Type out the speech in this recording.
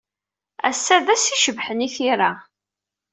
Ass-a d ass icebḥen i tira.